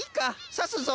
さすぞ。